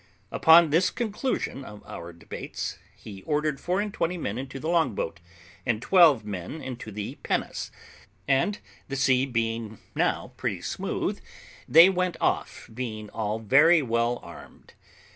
Upon this conclusion of our debates, he ordered four and twenty men into the long boat, and twelve men into the pinnace, and the sea being now pretty smooth, they went off, being all very well armed.